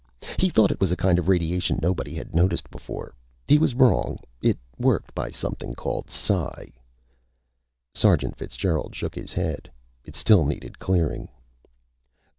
He thought it was a kind of radiation nobody had noticed before. He was wrong. It worked by something called psi." Sergeant Fitzgerald shook his head. It still needed clearing.